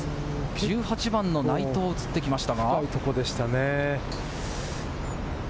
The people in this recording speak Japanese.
１８番の内藤がうつってきました。